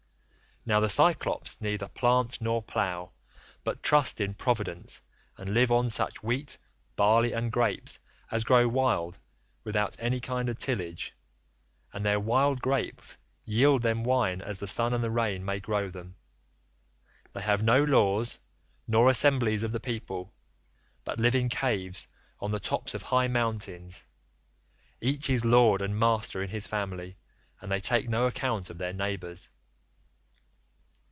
Now the Cyclopes neither plant nor plough, but trust in providence, and live on such wheat, barley, and grapes as grow wild without any kind of tillage, and their wild grapes yield them wine as the sun and the rain may grow them. They have no laws nor assemblies of the people, but live in caves on the tops of high mountains; each is lord and master in his family, and they take no account of their neighbours.